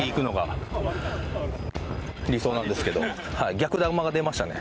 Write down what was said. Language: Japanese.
逆球が出ましたね。